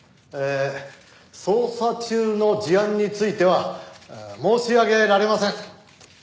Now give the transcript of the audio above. えー捜査中の事案については申し上げられません。